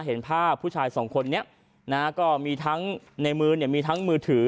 เห็นภาพผู้ชายสองคนนี้นะฮะก็มีทั้งในมือเนี่ยมีทั้งมือถือ